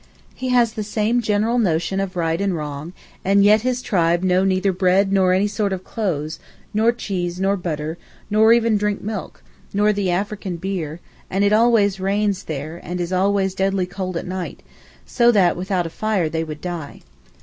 He has the same general notion of right and wrong; and yet his tribe know neither bread nor any sort of clothes, nor cheese nor butter, nor even drink milk, nor the African beer; and it always rains there, and is always deadly cold at night, so that without a fire they would die.